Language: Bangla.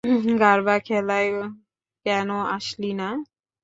গার্বা খেলায় কেনো আসলি না?